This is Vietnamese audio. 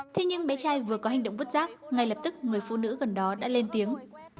thế nhưng bé trai vừa có hành động vứt rác ngay lập tức người phụ nữ gần đó đã lên tiếng